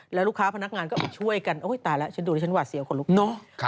แล้วลูกค้าพนักงานก็ช่วยกันโอ้ยตายแล้วฉันดูดิฉันหวาดเสียวขนลุกเนอะ